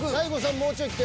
もうちょいきて。